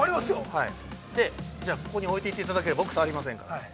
◆じゃあ、ここに置いていただければ僕は触りませんから。